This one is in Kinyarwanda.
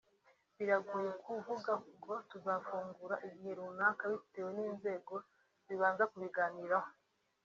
Biragoye kuvuga ngo tuzafungura igihe runaka bitewe n’inzego z’ibanza kubiganiraho